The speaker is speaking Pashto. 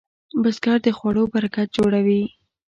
بزګر د خوړو برکت جوړوي